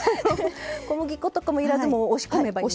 小麦粉とかも要らずもう押し込めばいいのね。